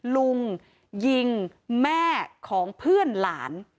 ลุงยิงแม่ของเพื่อนหลาน